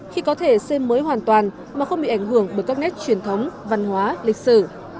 khi có thể xem mới hoàn toàn mà không bị ảnh hưởng bởi các nét truyền thống văn hóa lịch sử